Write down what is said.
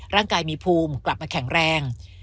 ร่างกายมีภูมิกลับมาแข็งแรง